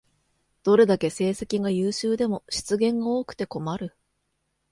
どれだけ成績が優秀でも失言が多くて困る